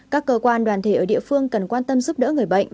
các cơ quan đoàn thể ở địa phương cần quan tâm giúp đỡ người bệnh